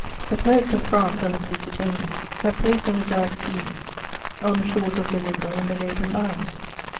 * The poets of France and of Lusitania have placed elegiac scenes on the shores of Melinda and the neighbouring isles.